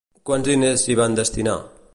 Quants diners s'hi van destinar?